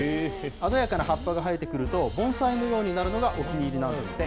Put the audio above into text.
鮮やかな葉っぱが生えてくると、盆栽のようになるのがお気に入りなんですって。